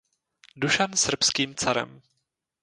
Dušan srbským carem.